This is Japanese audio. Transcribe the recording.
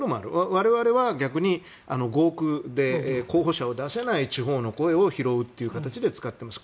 我々は、逆に合区で候補者を出せない地方の声を拾うという形で使っています。